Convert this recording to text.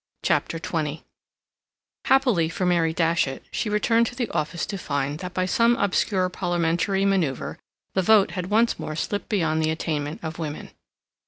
CHAPTER XX Happily for Mary Datchet she returned to the office to find that by some obscure Parliamentary maneuver the vote had once more slipped beyond the attainment of women.